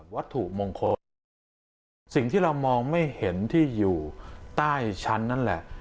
วัตถุมงคลสิ่งที่เรามองไม่เห็นที่อยู่ใต้ชั้นนั่นแหละ